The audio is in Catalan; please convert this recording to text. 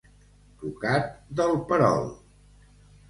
Tocat del perol.